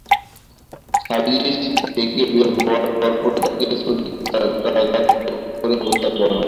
সালিস থেকে বের হওয়ার পরপরই তাঁকে ছুরিকাঘাত করে হত্যা করা হয়।